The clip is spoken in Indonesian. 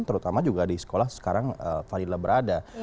terutama juga di sekolah sekarang fadila berada